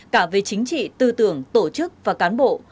cả về chính trị tư tưởng tổ chức và cán bộ